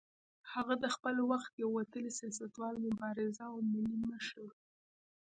هغه د خپل وخت یو وتلی سیاستوال، مبارز او ملي مشر و.